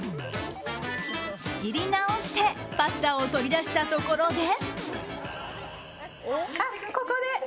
仕切り直してパスタを取り出したところで。